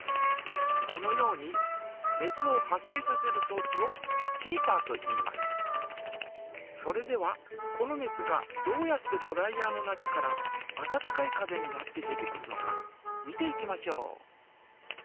このように熱を発生させるそう置をそれではこの熱がどうやってドライヤ−の中から温かい風になって出てくるのか見ていきましょう。